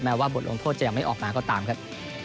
ว่าบทลงโทษจะยังไม่ออกมาก็ตามครับ